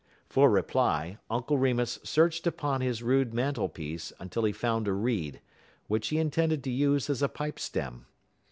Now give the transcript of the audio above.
For reply, Uncle Remus searched upon his rude mantel piece until he found a reed, which he intended to use as a pipe stem.